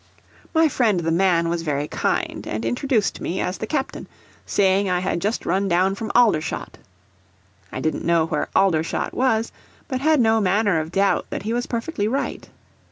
My friend the Man was very kind, and introduced me as the Captain, saying I had just run down from Aldershot. I didn't know where Aldershot was, but had no manner of doubt that he was perfectly right.